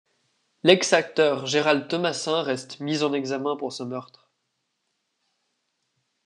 L'ex-acteur Gérald Thomassin reste mis en examen pour ce meurtre.